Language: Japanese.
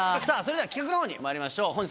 さぁそれでは企画のほうにまいりましょう。